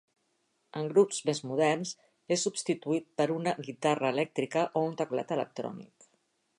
En grups més moderns, es substituït per una guitarra elèctrica o un teclat electrònic.